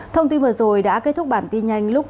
thông tin vừa rồi đã kết thúc bản tin nhanh lúc hai mươi h